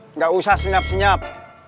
enggak usah senyap senyap